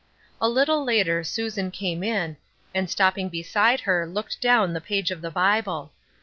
A little later Susan came in, and stopping beside her looked down the page of the Bible.